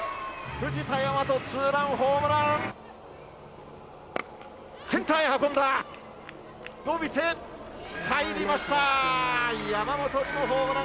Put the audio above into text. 藤田倭、ツーランホームラン。